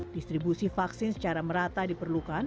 distribusi vaksin secara merata diperlukan